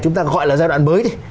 chúng ta gọi là giai đoạn mới